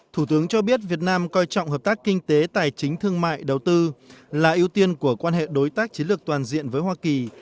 thủ tướng cho biết việt nam coi trọng hợp tác kinh tế tài chính thương mại đầu tư là ưu tiên của quan hệ đối tác chiến lược toàn diện với hoa kỳ